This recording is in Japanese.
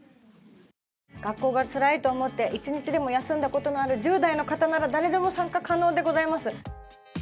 学校がつらいと思って、一日でも休んだことのある１０代の方なら誰でも参加可能でございます。